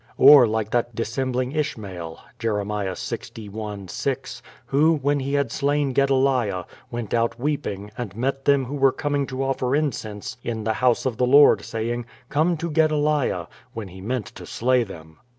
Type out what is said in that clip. Or like that dissembling Ishmael (Jer. xli, 6), who, when he had slain Gedelia, went out weeping, and met them who were coming to offer incense in the house of the Lord, saying: Come to Gedelia — when he meant to slay them.